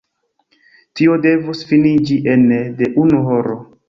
Tio devus finiĝi ene de unu horo.